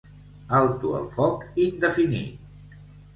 Alto el foc indefinit.